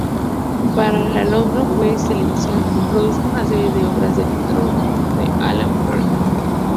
Para la London Weekend Television produjo una serie de obras del dramaturgo Alan Bennett.